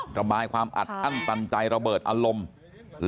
ระบายความอัดอั้นตันใจระเบิดอารมณ์